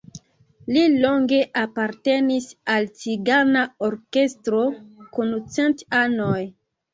Li longe apartenis al "Cigana Orkestro kun cent anoj".